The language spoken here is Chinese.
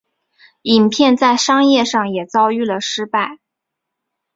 影片在商业上也遭遇了失败。